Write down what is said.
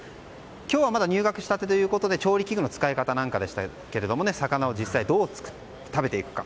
今日はまだ入学したてということで調理器具の使い方なんかでしたが魚を実際、どう食べていくか。